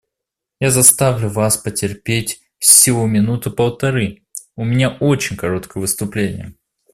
Я заставлю вас потерпеть всего минуты полторы, у меня очень короткое выступление.